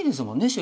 白。